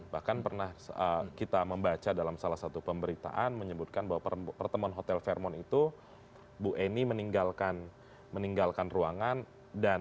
bahkan pernah kita membaca dalam salah satu pemberitaan menyebutkan bahwa pertemuan hotel vermont itu bu eni meninggalkan ruangan